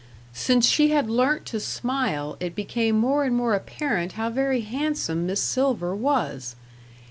Since she had learnt to smile, it became more and more apparent how very handsome Miss Silver was.